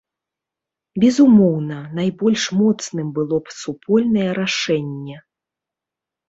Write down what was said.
Безумоўна, найбольш моцным было б супольнае рашэнне.